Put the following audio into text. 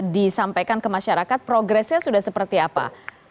disampaikan ke masyarakat progresnya sudah seperti apa